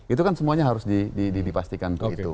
itu kan semuanya harus dipastikan begitu